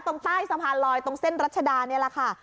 ตรงใต้สะพานลอยตรงเส้นรัชดานี่แหละค่ะ